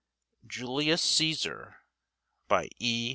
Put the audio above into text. JULIUS CÆSAR By E.